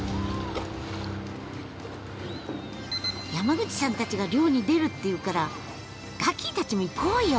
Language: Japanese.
山口さんたちが漁に出るっていうからガキィたちも行こうよ！